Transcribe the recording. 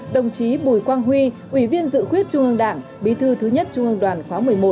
đồng chí bùi quang huy ủy viên dự khuyết trung ương đảng bí thư thứ nhất trung ương đoàn khóa một mươi một